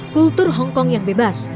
kulturnya hongkong yang bebas